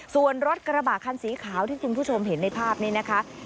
ส่วนรถกระบะคันสีขาวที่คุณผู้ชมเห็นในภาพนี้นะคะ